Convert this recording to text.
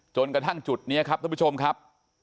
จนกระทั่งจุดนี้ครับท่านผู้ชมครับ